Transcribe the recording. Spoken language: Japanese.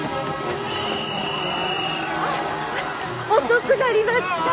遅くなりました。